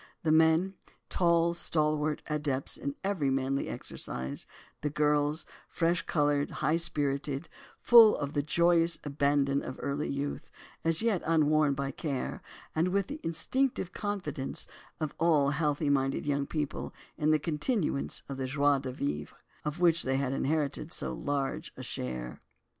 The men, tall, stalwart, adepts in every manly exercise; the girls, fresh coloured, high spirited, full of the joyous abandon of early youth, as yet unworn by care and with the instinctive confidence of all healthy minded young people in the continuance of the joie de vivre, of which they had inherited so large a share.